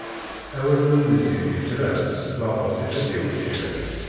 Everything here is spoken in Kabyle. Awal ma wezzil yefra ma ɣezzif ad d-yawi kra.